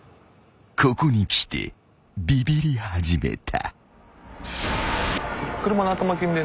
［ここにきてビビり始めた］